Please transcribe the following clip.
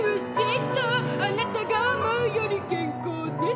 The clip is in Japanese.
あなたが思うより健康です